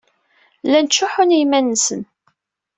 Llan ttcuḥḥun i yiman-nsen.